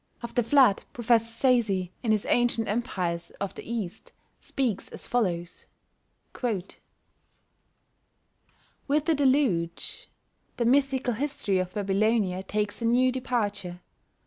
Of the Flood, Professor Sayce, in his Ancient Empires of the East, speaks as follows: With the Deluge the mythical history of Babylonia takes a new departure.